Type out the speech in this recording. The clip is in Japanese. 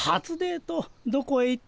どこへ行ったかの。